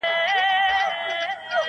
پیکر که هر څو دلربا تر دی -